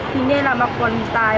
thì nên là mặc quần tài và áo